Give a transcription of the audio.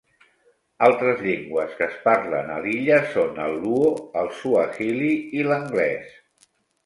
Altres llengües que es parlen a l'illa són el luo, el suahili i l'anglès.